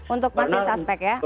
untuk masih suspek ya